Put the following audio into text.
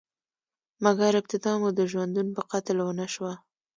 مګر، ابتدا مو د ژوندون په قتل ونشوه؟